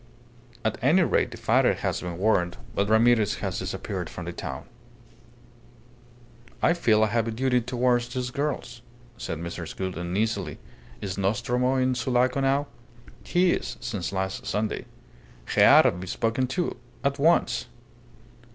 At any rate, the father has been warned. But Ramirez has disappeared from the town." "I feel I have a duty towards these girls," said Mrs. Gould, uneasily. "Is Nostromo in Sulaco now?" "He is, since last Sunday." "He ought to be spoken to at once."